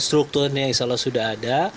strukturnya insya allah sudah ada